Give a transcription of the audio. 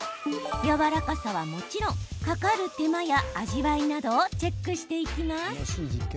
やわらかさは、もちろんかかる手間や味わいなどをチェックしていきます。